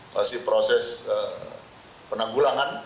masih proses penanggulangan